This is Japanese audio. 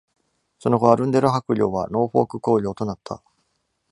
その後、アルンデル伯領はノーフォーク公領となった。